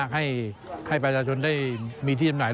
ให้ประชาชนได้มีที่จำหน่าย